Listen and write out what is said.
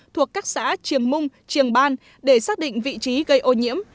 thuộc các xã triềng mung triềng ban để xác định vị trí gây ô nhiễm